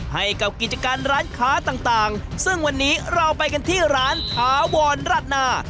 ให้กับกิจการร้านค้าต่างซึ่งวันนี้เราไปกันที่ร้านถาวรรัฐนา